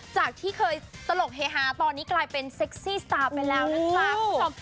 จากที่เคยตลกเฮฮาตอนนี้กลายเป็นเซ็กซี่สตาร์ไปแล้วนะจ๊ะคุณผู้ชม